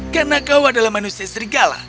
karena kau adalah manusia serigala